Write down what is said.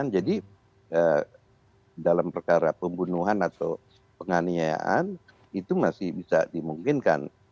jadi dalam perkara pembunuhan atau penganiayaan itu masih bisa dimungkinkan